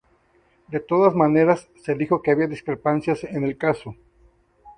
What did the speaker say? De todas maneras, se dijo que había discrepancias en el caso.